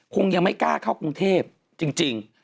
คงยังไม่กล้าเข้ากรุงเทพจริง